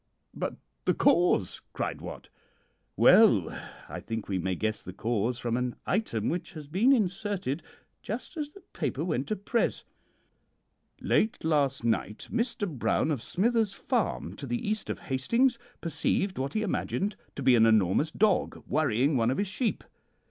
"'But the cause?' cried Wat. "'Well, I think we may guess the cause from an item which has been inserted just as the paper went to press: "Late last night, Mr. Brown, of Smither's Farm, to the east of Hastings, perceived what he imagined to be an enormous dog worrying one of his sheep.